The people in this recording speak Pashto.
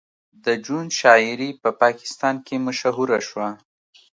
د جون شاعري په پاکستان کې مشهوره شوه